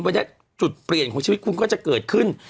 วันนี้จุดเปลี่ยนของชีวิตคุณก็จะเกิดขึ้น